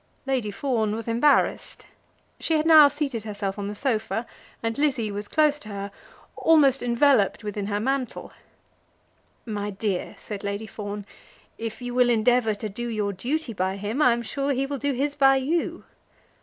Lady Fawn was embarrassed. She had now seated herself on the sofa, and Lizzie was close to her, almost enveloped within her mantle. "My dear," said Lady Fawn, "if you will endeavour to do your duty by him, I am sure he will do his by you."